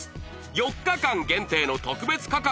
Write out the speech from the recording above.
４日間限定の特別価格